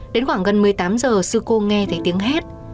đến khoảng gần một mươi tám h sư cô nghe thấy tiếng hét